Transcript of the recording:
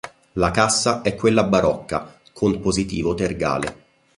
La cassa è quella barocca, con positivo tergale.